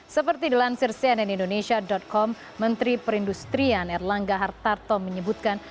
seperti dilansir cnn indonesia com menteri perindustrian erlangga hartarto menyebutkan